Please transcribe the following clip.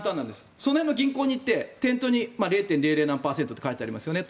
その辺の銀行に行って店頭に０．００何％って書いてありますよね。